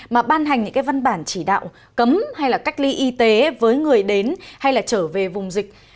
mà ban hành những cái văn bản chỉ đạo cấm hay là cách ly y tế với người đến hay là trở về vùng dịch